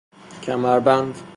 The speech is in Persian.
کمر بند